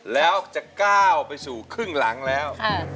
แล้วจะก้าวไปสู่ครึ่งหลังแล้ว